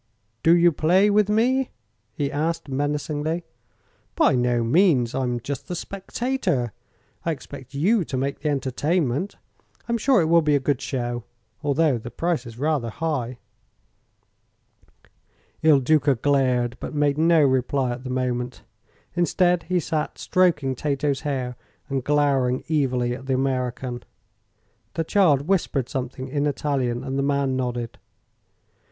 "Do you play with me?" he asked, menacingly. "By no means. I'm just the spectator. I expect you to make the entertainment. I'm sure it will be a good show, although the price is rather high." Il Duca glared, but made no reply at the moment. Instead, he sat stroking Tato's hair and glowering evilly at the American. The child whispered something in Italian, and the man nodded.